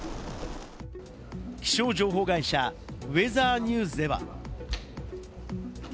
気象情報会社・ウェザーニューズでは。